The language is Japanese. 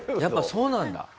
やっぱそうなんだ。